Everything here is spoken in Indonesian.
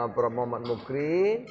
prof muhammad mukri